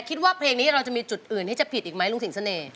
คิดว่าเพลงนี้เราจะมีจุดอื่นที่จะผิดอีกไหมลุงสิงเสน่ห